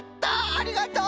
ありがとう！